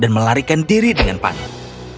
dan melarikan diri dengan panik